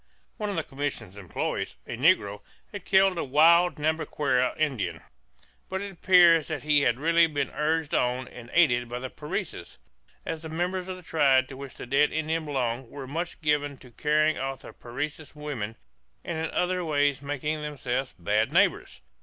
One of the commission's employees, a negro, had killed a wild Nhambiquara Indian; but it appeared that he had really been urged on and aided by the Parecis, as the members of the tribe to which the dead Indian belonged were much given to carrying off the Parecis women and in other ways making themselves bad neighbors.